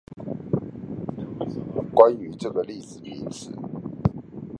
關於這個歷史名詞